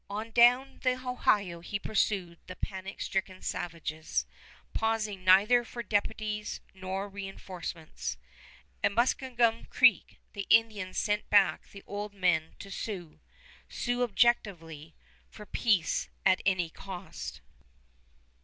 On down the Ohio he pursued the panic stricken savages, pausing neither for deputies nor reënforcements. At Muskingum Creek the Indians sent back the old men to sue, sue abjectedly, for peace at any cost.